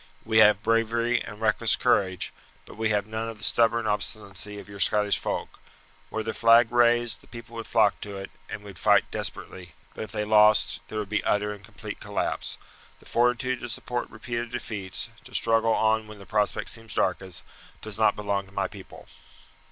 We have bravery and reckless courage, but we have none of the stubborn obstinacy of your Scottish folk. Were the flag raised the people would flock to it, and would fight desperately; but if they lost, there would be utter and complete collapse. The fortitude to support repeated defeats, to struggle on when the prospect seems darkest, does not belong to my people.